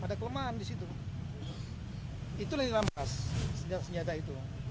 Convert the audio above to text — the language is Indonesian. itu yang dirampas senjata senjata itu